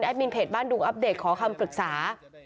มินเพจบ้านดุงอัปเดตขอคำปรึกษา